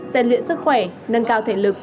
xe luyện sức khỏe nâng cao thể lực